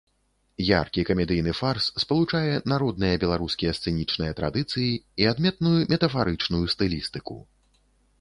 Яркі камедыйны фарс спалучае народныя беларускія сцэнічныя традыцыі і адметную метафарычную стылістыку.